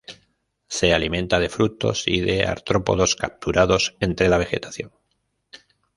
Se alimenta de frutos y de artrópodos capturados entre la vegetación.